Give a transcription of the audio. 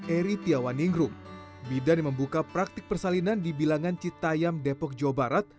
eri tiawaningrum bidan yang membuka praktik persalinan di bilangan citayam depok jawa barat